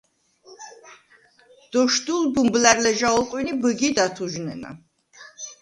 დოშდულ ბუმბლა̈რ ლეჟა ოლყვინ ი ბჷგიდ ათუჟნენა.